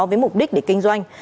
với mục đích để kinh doanh